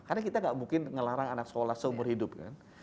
karena kita enggak mungkin ngelarang anak sekolah seumur hidup kan